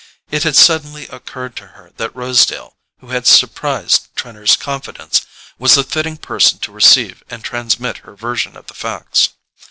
And it had suddenly occurred to her that Rosedale, who had surprised Trenor's confidence, was the fitting person to receive and transmit her version of the facts.